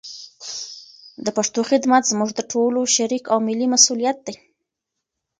د پښتو خدمت زموږ د ټولو شریک او ملي مسولیت دی.